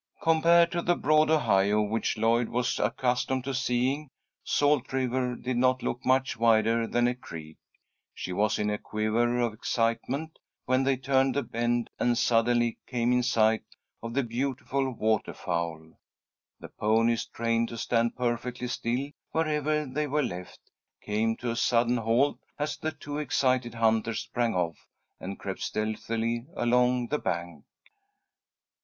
Compared to the broad Ohio, which Lloyd was accustomed to seeing, Salt River did not look much wider than a creek. She was in a quiver of excitement when they turned the bend, and suddenly came in sight of the beautiful water fowl. The ponies, trained to stand perfectly still wherever they were left, came to a sudden halt as the two excited hunters sprang off, and crept stealthily along the bank.